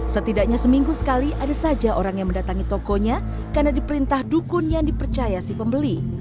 setidaknya seminggu sekali ada saja orang yang mendatangi tokonya karena diperintah dukun yang dipercaya si pembeli